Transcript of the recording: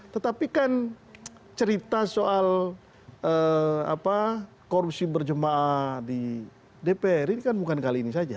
tetapi kan cerita soal korupsi berjemaah di dpr ini kan bukan kali ini saja